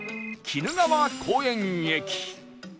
鬼怒川公園駅